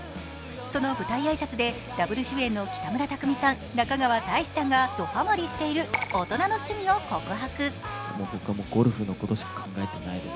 その舞台挨拶でダブル主演の北村匠海さん、中川大志さんがドハマリしている、大人の趣味を告白。